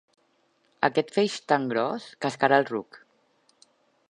Aquest feix tan gros cascarà el ruc.